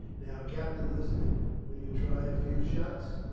Now, Captain Lister, will you try a few shots?"